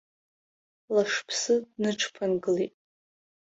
Лашԥсы дныҽԥынгылеит.